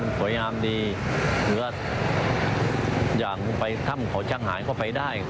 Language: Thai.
มันสวยงามดีเหลืออย่างไปถ้ำขอชั่งหายก็ไปได้